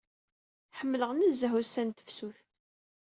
Ḥemmleɣ nezzeh ussan n tefsut.